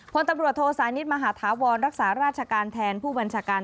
พลตำรวจโทสานิทมหาธาวรรักษาราชการแทนผู้บัญชาการ